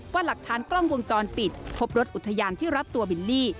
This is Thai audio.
หลักฐานกล้องวงจรปิดพบรถอุทยานที่รับตัวบิลลี่